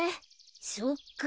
そっか。